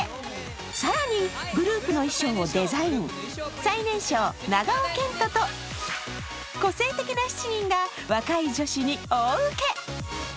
更にグループの衣装をデザイン、最年少、長尾謙杜と個性的な７人が若い女子に大受け。